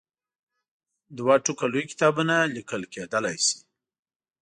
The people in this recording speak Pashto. دوې ټوکه لوی کتابونه لیکل کېدلای شي.